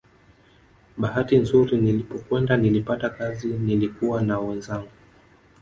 Bahati nzuri nilipokwenda nilipata kazi nilikuwa na wenzangu